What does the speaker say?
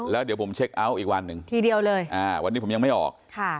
แล้วเดี๋ยวผมเช็คอัลอีกวันหนึ่งวันนี้ผมยังไม่ออก